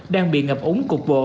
đang bị ngập úng